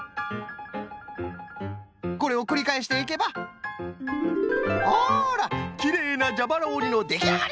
これをくりかえしていけばあらきれいなじゃばらおりのできあがり！